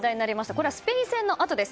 これはスペイン戦のあとです。